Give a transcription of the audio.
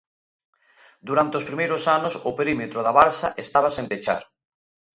Durante os primeiros anos o perímetro da balsa estaba sen pechar.